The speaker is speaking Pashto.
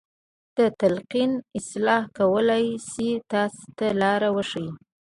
د تلقين اصل کولای شي تاسې ته لار وښيي.